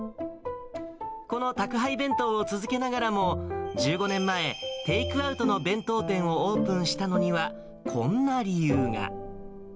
この宅配弁当を続けながらも、１５年前、テイクアウトの弁当店をオープンしたのには、こんな理由が。